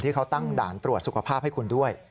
เขาตั้งด่านตรวจสุขภาพให้คุณด้วย